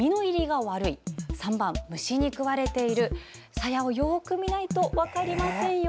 さやを、よく見ないと分かりませんよ。